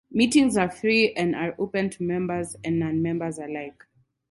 Meetings are free and are open to members and non-members alike.